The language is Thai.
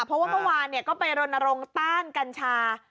เพราะว่าเมื่อวานก็ไปรณรงค์ต้านกัญชา